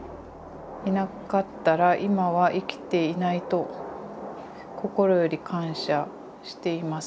いなかったら今は生きていないと心より感謝しています。